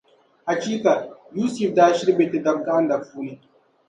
Achiika Yusif daa shiri be Ti daba gahinda puuni.